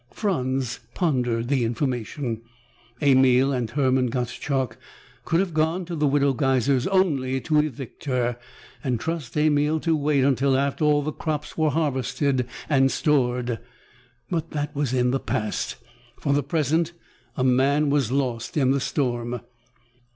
Franz pondered the information. Emil and Hermann Gottschalk could have gone to the Widow Geiser's only to evict her, and trust Emil to wait until after all crops were harvested and stored! But that was in the past. For the present, a man was lost in the storm.